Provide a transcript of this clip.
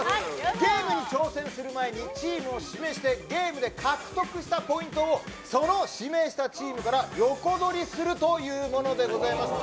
ゲームに挑戦する前にチームを指名してゲームで獲得したポイントをその指名したチームから横取りするというものでございます。